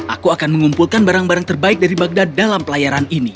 aku akan mengumpulkan barang barang terbaik dari magda dalam pelayaran ini